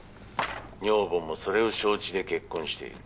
女房もそれを承知で結婚している。